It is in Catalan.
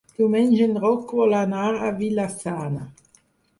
Diumenge en Roc vol anar a Vila-sana.